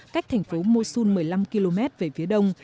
cách thành phố mosun một mươi năm km về phía đông